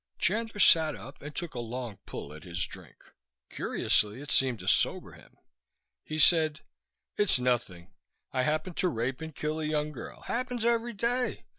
Chandler sat up and took a long pull at his drink. Curiously, it seemed to sober him. He said: "It's nothing. I happened to rape and kill a young girl. Happens every day.